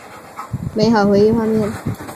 美好回忆画面